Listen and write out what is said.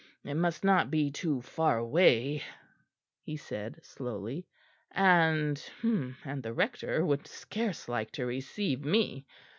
"It must not be too far away," he said slowly, "and and the Rector would scarce like to receive me.